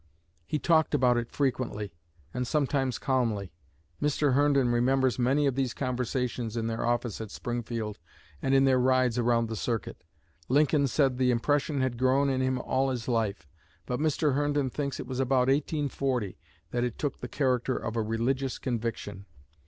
He talked about it frequently and sometimes calmly. Mr. Herndon remembers many of these conversations in their office at Springfield and in their rides around the circuit. Lincoln said the impression had grown in him all his life; but Mr. Herndon thinks it was about 1840 that it took the character of a 'religious conviction.'